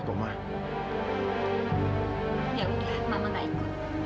ya udah mama gak ikut